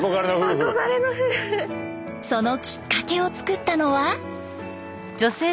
そのきっかけを作ったのは。